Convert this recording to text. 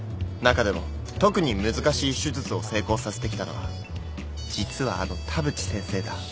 中でも特に難しい手術を成功させてきたのは実はあの田淵先生だ。